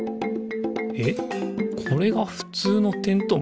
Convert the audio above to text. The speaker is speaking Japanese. えっこれがふつうのてんとう